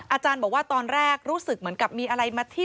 อาจารย์บอกว่าตอนแรกรู้สึกเหมือนกับมีอะไรมาที่